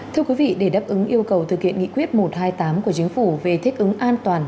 thưa quý vị để đáp ứng yêu cầu thực hiện nghị quyết một trăm hai mươi tám của chính phủ về thích ứng an toàn